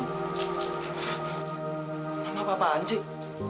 mama apa apaan cik